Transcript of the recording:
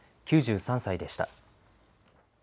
９３歳でした。